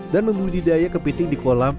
dan membudidayakan kepiting di kolam